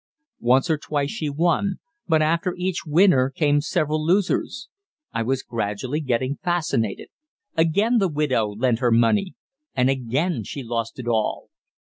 Once or twice she won, but after each winner came several losers. I was gradually getting fascinated. Again the widow lent her money, and again she lost it all.